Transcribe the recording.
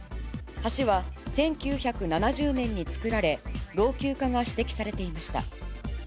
橋は１９７０年に造られ、老朽化が指摘されていました。